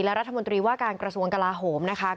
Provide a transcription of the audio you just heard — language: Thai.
และรัฐมนตรีว่าการกระทรวงกลาโหมนะคะ